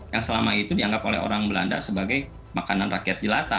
yang selama itu dianggap oleh orang belanda sebagai makanan rakyat jelata